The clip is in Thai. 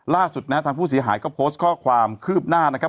ล่าสุดนะฮะทางผู้เสียหายก็โพสต์ข้อความคืบหน้านะครับ